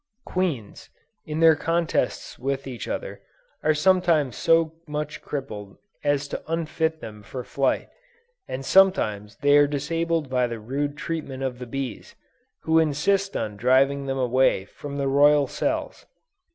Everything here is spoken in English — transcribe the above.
Queens, in their contests with each other, are sometimes so much crippled as to unfit them for flight, and sometimes they are disabled by the rude treatment of the bees, who insist on driving them away from the royal cells.